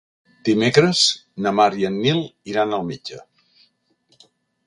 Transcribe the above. Dimecres na Mar i en Nil iran al metge.